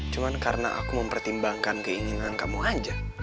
cuma karena aku mempertimbangkan keinginan kamu aja